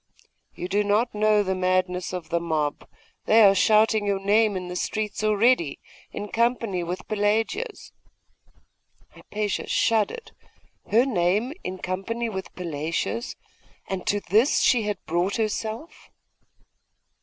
'You do not know the madness of the mob; they are shouting your name in the streets already, in company with Pelagia's.' Hypatia shuddered. Her name in company with Pelagia's! And to this she had brought herself!